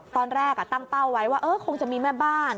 ตอนแรกตั้งเป้าไว้ว่าคงจะมีแม่บ้าน